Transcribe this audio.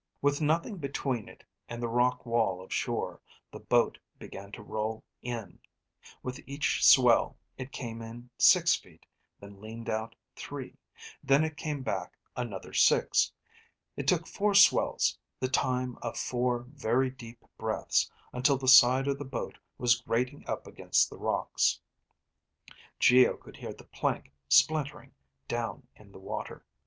With nothing between it and the rock wall of shore, the boat began to roll in. With each swell, it came in six feet, and then leaned out three. Then it came back another six. It took four swells, the time of four very deep breaths, until the side of the boat was grating up against the rocks. Geo could hear the plank splintering down in the water.